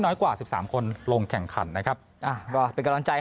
กว่าสิบสามคนลงแข่งขันนะครับอ่าก็เป็นกำลังใจ